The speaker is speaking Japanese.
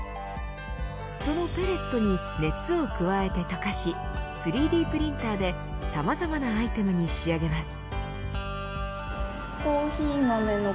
そのペレットに熱を加えて溶かし３Ｄプリンターでさまざまなアイテムに仕上げます。